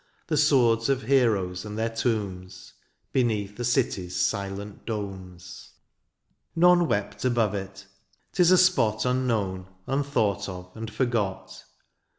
The swords of heroes and their tombs. Beneath a city^s silent domes, o 100 DIONYSIUS, None wept above it — ^*tis a spot Unknown, imthought of, and forgot.